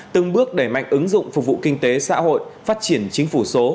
từng bước đẩy mạnh ứng dụng phục vụ kinh tế xã hội phát triển chính phủ số